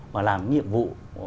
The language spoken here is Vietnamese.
mà làm nhiệm vụ